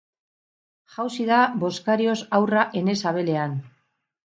Jauzi da bozkarioz haurra ene sabelean.